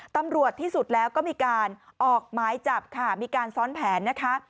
ตำรวจที่สุดแล้วก็มีการออกหมายจับค่ะมีการซ้อนแผนนะคะ